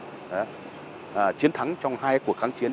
để chiến thắng trong hai cuộc kháng chiến